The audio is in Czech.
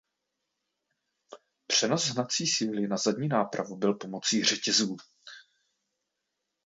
Přenos hnací síly na zadní nápravu byl pomocí řetězů.